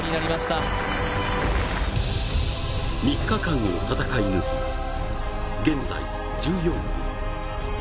３日間を戦い抜き、現在１４位。